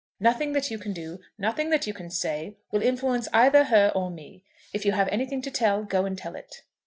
Nothing that you can do, nothing that you can say, will influence either her or me. If you have anything to tell, go and tell it."